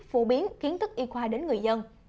phổ biến kiến thức y khoa đến người dân